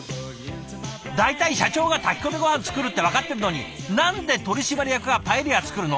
大体社長が炊き込みごはん作るって分かってるのに何で取締役がパエリア作るの？